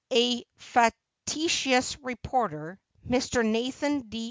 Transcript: A facetious reporter, Mr. Nathan D.